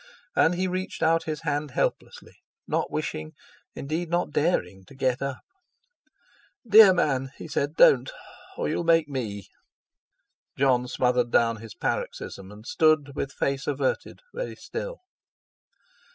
And he reached out his hand helplessly—not wishing, indeed not daring to get up. "Dear man," he said, "don't—or you'll make me!" Jon smothered down his paroxysm, and stood with face averted, very still.